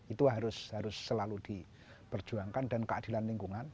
itu harus selalu diperjuangkan dan keadilan lingkungan